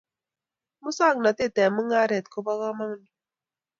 Musong'natet eng mung'aret ko bo kamanut